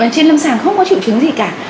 trên lâm sàng không có triệu chứng gì cả